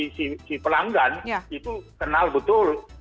saya kira si pelanggan itu kenal betul